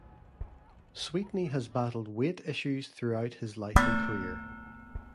Sweetney has battled weight issues throughout his life and career.